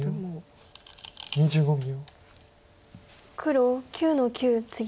黒９の九ツギ。